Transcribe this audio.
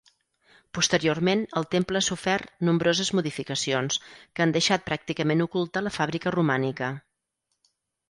Posteriorment el temple ha sofert nombroses modificacions, que han deixat pràcticament oculta la fàbrica romànica.